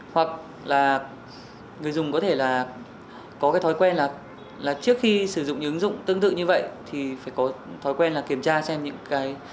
hoặc là người dùng có thể là có cái thói quen là trước khi sử dụng những ứng dụng tương tự như vậy thì phải có thói quen là kiểm tra xem những cái